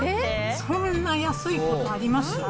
そんな安いことあります？